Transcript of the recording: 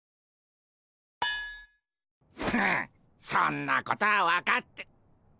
はっそんなことは分かって。